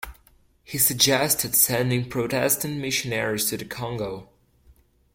He suggested sending Protestant missionaries to the Congo.